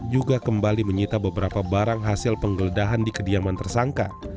juga kembali menyita beberapa barang hasil penggeledahan di kediaman tersangka